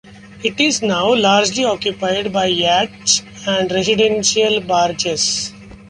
It is now largely occupied by yachts and residential barges.